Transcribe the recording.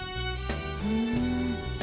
ふん。